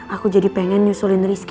aku jadi pengen nyusulin rizky